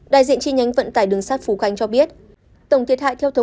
đại diện chi nhánh vận tải đường sát phú khánh cho biết